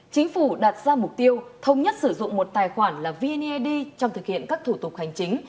chính phủ đặt ra mục tiêu thông nhất sử dụng một tài khoản là vned trong thực hiện các thủ tục hành chính